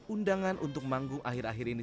undangan untuk manggung akhir akhir ini